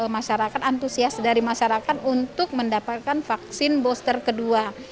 masyarakat antusias dari masyarakat untuk mendapatkan vaksin booster kedua